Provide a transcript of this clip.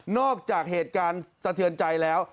อกจากเหตุการณ์สะเทือนใจแล้ว